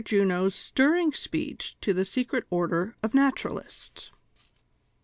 JUNO'S STIRRING SPEECH TO THE " SECRET ORDER OF NATURALISTS." p.